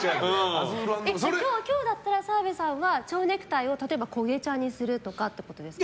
今日だったら澤部さんは蝶ネクタイを例えばこげ茶にするとかってことですか。